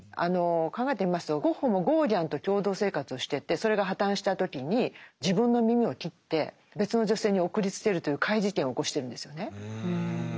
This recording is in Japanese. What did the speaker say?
考えてみますとゴッホもゴーギャンと共同生活をしててそれが破綻した時に自分の耳を切って別の女性に送りつけるという怪事件を起こしてるんですよね。